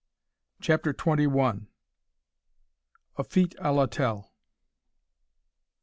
CHAPTER TWENTY ONE. A FEAT A LA TELL.